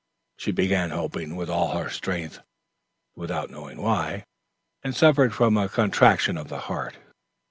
She began hoping with all her strength, without knowing why, and suffered from a contraction of the heart.